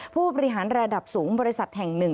ผู้บริหารระดับสูงบริษัทแห่งหนึ่ง